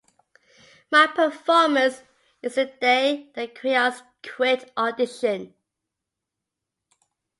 My performance is the day the crayons quit audition.